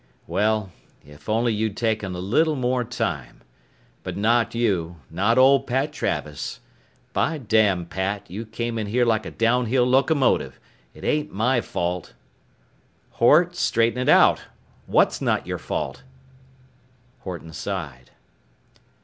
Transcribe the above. "Well, if only you'd taken a little more time. But not you, not old Pat Travis. By damn, Pat, you came in here like a downhill locomotive, it ain't my fault " "Hort, straighten it out. What's not your fault?" Horton sighed.